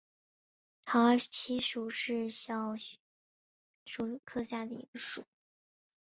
桃儿七属是小檗科下的一个属。